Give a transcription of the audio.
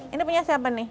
ini punya siapa nih